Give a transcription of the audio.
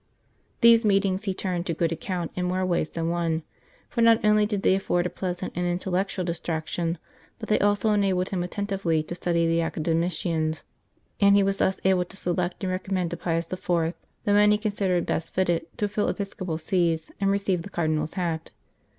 These meetings he turned to good account in more ways than one, for not only did they afford a pleasant and intellectual distraction, but they also enabled him attentively to study the Academicians, and he was thus able to select and recommend to Pius IV. the men he considered best fitted to fill episcopal sees and receive the Cardinal s hat.